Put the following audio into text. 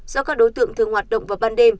do các đối tượng thường hoạt động vào ban đêm